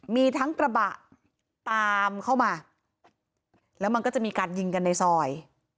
มีทั้งกระบะตามเข้ามาแล้วมันก็จะมีการยิงกันในซอย